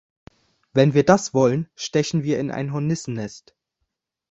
Wenn wir das wollen, stechen wir in ein Hornissennest.